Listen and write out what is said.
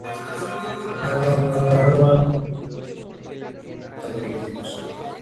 আনন্দময়ী তাঁহার ভাঁড়ার-ঘরের সম্মুখের বারান্দায় বসিয়া তরকারি কুটিতেছিলেন।